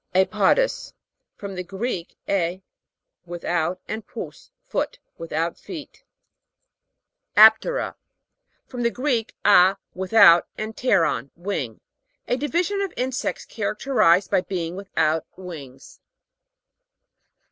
A'PODOUS. From the Greek, a> with out, and pous, foot. Without feet. AP'TERA. From the Greek, a, with out, and pteron, wing. A division of insects, characterized by being without wings.